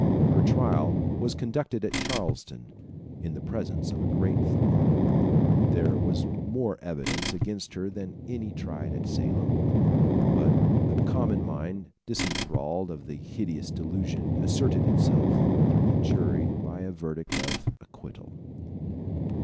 Her trial was conducted at Charlestown in the presence of a great throng. There was more evidence against her than any tried at Salem; but the common mind disenthralled of the hideous delusion asserted itself, through the jury by a verdict of acquittal.